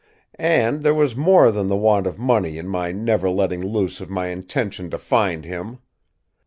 And there was more than the want of money in my never letting loose of my intention to find him.